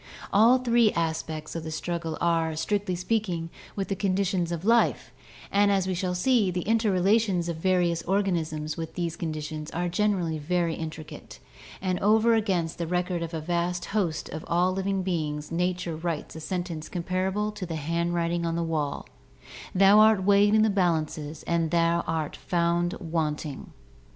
All three aspects of the struggle are, strictly speaking, with the conditions of life, and as we shall see, the interrelations of various organisms with these conditions are generally very intricate, and over against the record of a vast host of all living beings nature writes a sentence comparable to the handwriting on the wall: "Thou art weighed in the balances, and art found wanting."